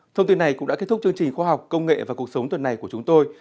thông tin này cũng đã kết thúc chương trình khoa học công nghệ và cuộc sống tuần này của chúng tôi